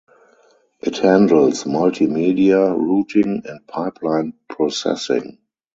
It handles multimedia routing and pipeline processing.